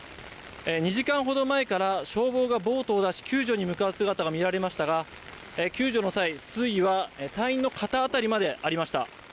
２時間ほど前から消防がボートを出し、救助に向かう姿が見られましたが、救助の際、水位は隊員の肩辺りまでありました。